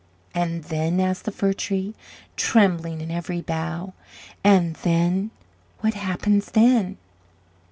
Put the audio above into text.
"And then?" asked the Fir tree, trembling in every bough. "And then? What happens then?"